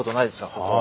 ここは。